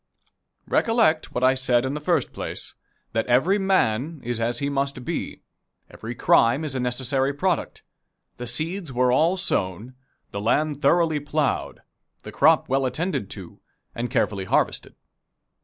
Recollect what I said in the first place that every man is as he must be. Every crime is a necessary product. The seeds were all sown, the land thoroughly plowed, the crop well attended to, and carefully harvested.